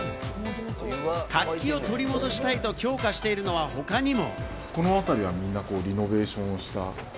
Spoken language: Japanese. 活気を取り戻したいと強化しているのは、他にも。